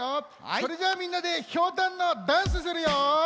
それじゃあみんなでひょうたんのダンスするよ！